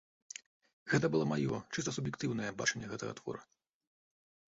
Гэта было маё, чыста суб'ектыўнае бачанне гэтага твора.